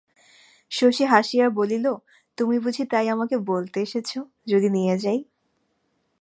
শশী হাসিয়া বলিল, তুমি বুঝি তাই আমাকে বলতে এসেছ, যদি নিয়ে যাই?